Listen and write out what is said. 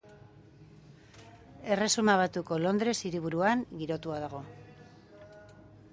Erresuma Batuko Londres hiriburuan girotua dago.